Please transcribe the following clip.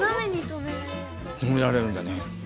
止められるんだよね。